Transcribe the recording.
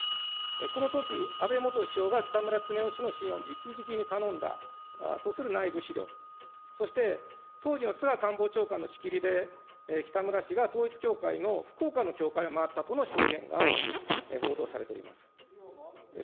このとき、安倍元首相が北村経夫氏の支援をじきじきに頼んだとする内部資料、そして当時の菅官房長官のしきりで、きたむら氏が統一教会の福岡の教会を回ったとの証言が報道されております。